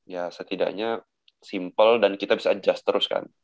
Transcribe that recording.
ya setidaknya simpel dan kita bisa adjust terus kan